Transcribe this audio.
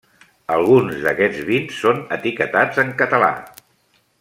Alguns d'aquests vins són etiquetats en català.